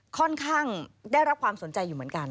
ค่อนข้างได้รับความสนใจอยู่เหมือนกัน